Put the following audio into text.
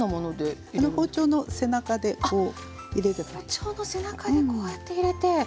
包丁の背中でこうやって入れて。